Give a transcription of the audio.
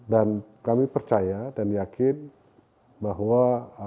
dan kami percaya dan yakin bahwa